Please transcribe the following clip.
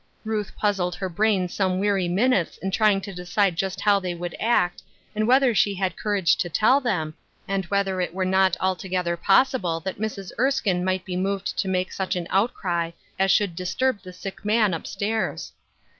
Ru1 ;h puzzled her brain some weary minutes in trying to decide just how they would act, and whetb^r she had courage to tell them, and whether it were not altogether possible that Mrs. Erskine might be moved to make such an outcry as should disturb the sick man, up stairs.